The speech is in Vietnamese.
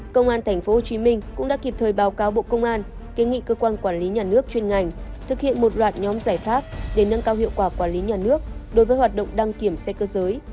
công an tp hcm cũng đã kịp thời báo cáo bộ công an kế nghị cơ quan quản lý nhà nước chuyên ngành thực hiện một loạt nhóm giải pháp để nâng cao hiệu quả quản lý nhà nước đối với hoạt động đăng kiểm xe cơ giới